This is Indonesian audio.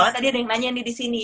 oh tadi ada yang nanya nih di sini